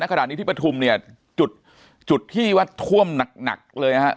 และขณะนี้ที่ประทุมเนี่ยจุดจุดที่ว่าท่วมหนักหนักเลยอ่ะ